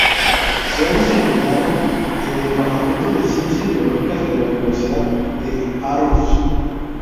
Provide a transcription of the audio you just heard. Se ha desempeñado en el Departamento de Ciencias Biológicas, de la Universidad de Aarhus.